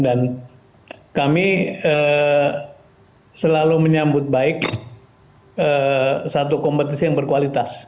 dan kami selalu menyambut baik satu kompetisi yang berkualitas